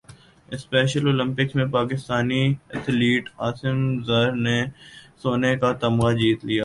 special Olympics میں Pakistani athlete Asim Zar نے سونے کا تمغہ جیت لیا